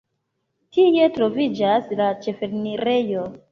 Tie troviĝas la ĉefenirejo.